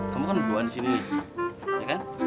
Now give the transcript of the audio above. kamu kan berduaan di sini ya kan